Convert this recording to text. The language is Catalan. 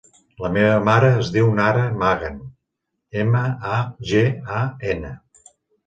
La meva mare es diu Nara Magan: ema, a, ge, a, ena.